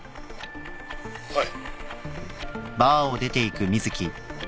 はい。